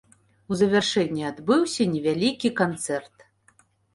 У завяршэнні адбыўся невялікі канцэрт.